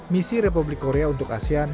misi republik korea untuk asean